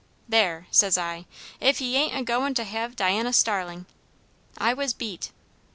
'There!' says I; 'if he ain't a goin' to have Diana Starling!' I was beat."